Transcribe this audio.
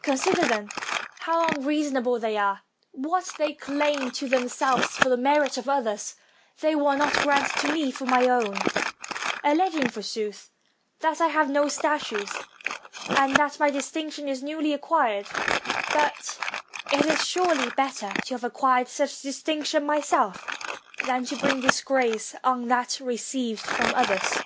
Consider, then, how unreasonable they are; what they claim to themselves for the merit of others, they will not grant to me for my own; alleging, forsooth, that I have no statues, and that my distinction is newly acquired; but it is surely better to have acquired such distinction myself than to bring disgrace on that re ceived from others.